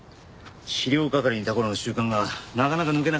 資料係にいた頃の習慣がなかなか抜けなくてね。